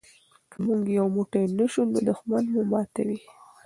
که موږ یو موټی نه شو نو دښمن مو ماتوي.